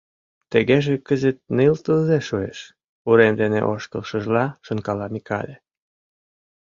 Тыгеже кызыт ныл тылзе шуэш», — урем дене ошкылшыжла шонкала Микале.